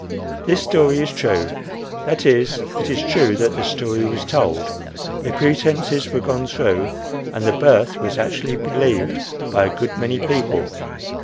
This story is true that is, it is true that the story was told, the pretences were gone through, and the birth was actually believed by a good many people.